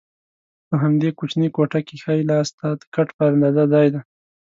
په همدې کوچنۍ کوټه کې ښي لاسته د کټ په اندازه ځای دی.